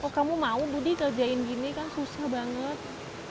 oh kamu mau budi kerjain gini kan susah banget